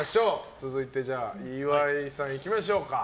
続いて、岩井さんいきましょうか。